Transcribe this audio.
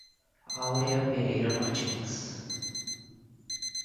Aurea Pereira Martins